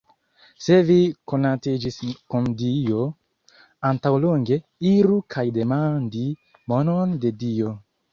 Se vi konatiĝis kun Dio antaŭlonge, iru kaj demandi monon de Dio